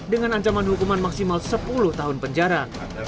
dengan ancaman hukuman maksimal sepuluh tahun penjara